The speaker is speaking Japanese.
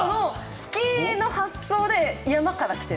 スキーの発想で山から来てる？